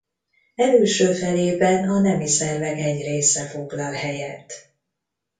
Elülső felében a nemi szervek egy része foglal helyet.